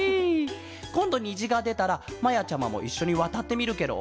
こんどにじがでたらまやちゃまもいっしょにわたってみるケロ？